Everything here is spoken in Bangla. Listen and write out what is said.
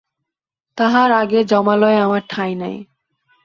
তাহার আগে যমালয়ে আমার ঠাঁই নাই।